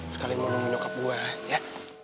sekalian mau nunggu nyokap gue